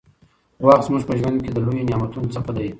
وخت زموږ په ژوند کې له لويو نعمتونو څخه دى.